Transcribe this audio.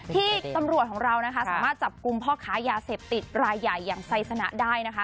ที่ตำรวจของเรานะคะสามารถจับกลุ่มพ่อค้ายาเสพติดรายใหญ่อย่างไซสนะได้นะคะ